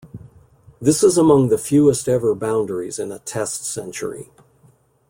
This is among the fewest ever boundaries in a Test century.